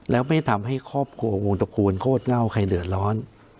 แล้วไม่ทำให้ครอบครัววงตระกูลโคตรเง่าใครเดือดร้อน